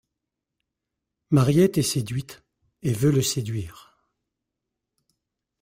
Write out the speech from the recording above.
Mariette est séduite et veut le séduire.